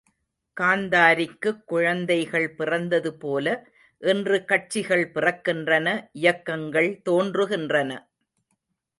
காந்தாரிக்குக் குழந்தைகள் பிறந்தது போல இன்று கட்சிகள் பிறக்கின்றன இயக்கங்கள் தோன்றுகின்றன!